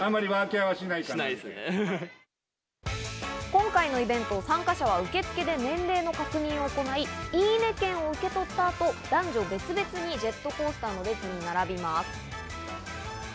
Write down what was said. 今回のイベント、参加者は受付で年齢の確認を行い、「いいね！券」を受け取った後、男女別々にジェットコースターの列に並びます。